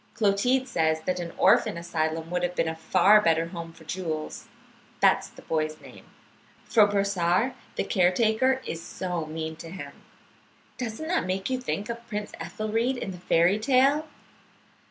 "Clotilde says that an orphan asylum would have been a far better home for Jules (that is the boy's name), for Brossard, the caretaker, is so mean to him. Doesn't that make you think of Prince Ethelried in the fairy tale?